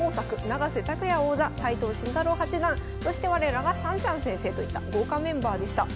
永瀬拓矢王座斎藤慎太郎八段そして我らがさんちゃん先生といった豪華メンバーでした。